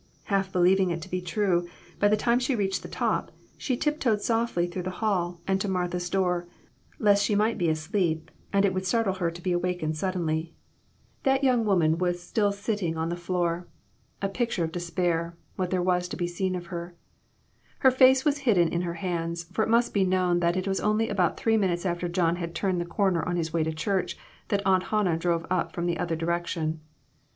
Half believing it to be true, by the time she reached the top, she tiptoed softly through the hall and to Martha's door, lest she might be asleep, and it would startle her to be awakened suddenly. That young woman was still sitting on the IMPROMPTU VISITS. I I I floor, a picture of despair, what there was to be seen of her. Her face was hidden in her hands, for it must be known that it was only about three minutes after John had turned the corner on his way to church that Aunt Hannah drove up from the other direction.